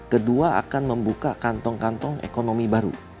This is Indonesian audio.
kedua akan membuka kantong kantong ekonomi baru